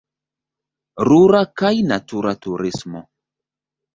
Rura kaj natura turismo.